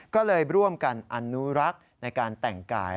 ก็เลยร่วมกันอนุรักษ์ในการแต่งกาย